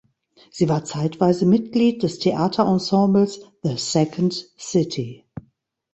Sie war zeitweise Mitglied des Theaterensembles "The Second City".